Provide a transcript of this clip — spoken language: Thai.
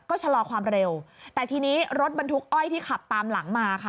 ก็ชะลอความเร็วแต่ทีนี้รถบรรทุกอ้อยที่ขับตามหลังมาค่ะ